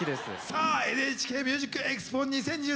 さあ「ＮＨＫＭＵＳＩＣＥＸＰＯ２０２３」